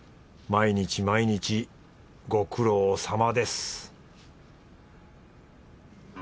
毎日毎日ご苦労さまです